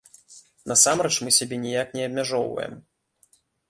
Насамрэч, мы сябе ніяк не абмяжоўваем.